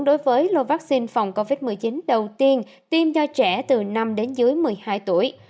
đối với lô vaccine phòng covid một mươi chín đầu tiên tiêm cho trẻ từ năm đến dưới một mươi hai tuổi